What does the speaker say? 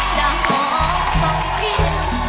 จะหอมส่องเพียง